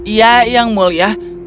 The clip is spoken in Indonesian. ya yang mulia